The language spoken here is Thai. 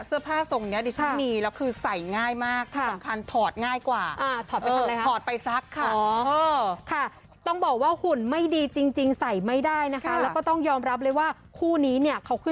สิ่งที่จะบอกว่ากางเกงทรงนี้เสื้อผ้าทรงนี้ดิฉันมีแล้วคือใส่ง่ายมาก